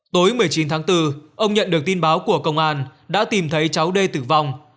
tối một mươi chín tháng bốn ông nhận được tin báo của công an đã tìm thấy cháu đê tử vong